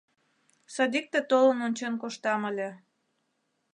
— Садикте толын ончен коштам ыле.